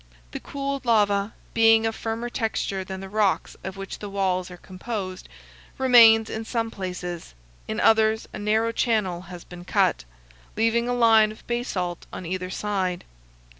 The cooled lava, being of firmer texture than the rocks of which the walls are composed, remains in some places; in others a narrow channel has been cut, leaving a line of basalt on either side.